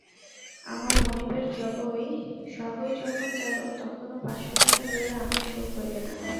আমার মনিবের সবই যখন গেল তখন ও পাঁচশো টাকা লইয়া আমার সুখ হইবে না।